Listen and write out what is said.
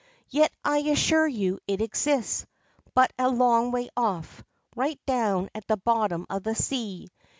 ' Yet I assure you it exists, but a long way off right down at the bottom of the sea.